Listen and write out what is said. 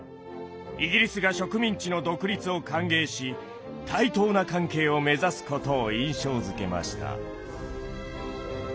イギリスが植民地の独立を歓迎し対等な関係を目指すことを印象づけました。